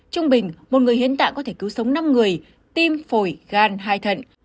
trung bình một người hiến tạng có thể cứu sống năm người tim phổi gan hai thận